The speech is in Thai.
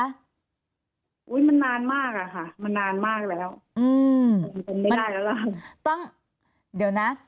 อุ้ยมันนานมากอ่ะค่ะมันนานมากแล้วอืมเป็นไม่ได้แล้วล่ะตั้งเดี๋ยวนะ